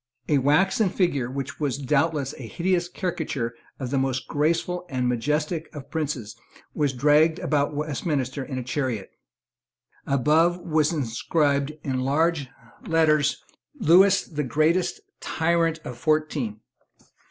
A waxen figure, which was doubtless a hideous caricature of the most graceful and majestic of princes, was dragged about Westminster in a chariot. Above was inscribed, in large letters, "Lewis the greatest tyrant of fourteen."